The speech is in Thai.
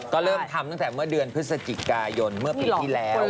ก็เริ่มทำตั้งแต่เมื่อเดือนพฤศจิกายนเมื่อปีที่แล้ว